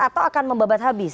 atau akan membabat habis